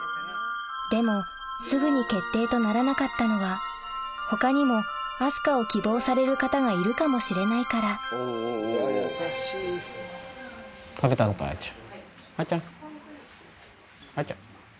でもすぐに決定とならなかったのは他にも明日香を希望される方がいるかもしれないから食べたのかあーちゃん。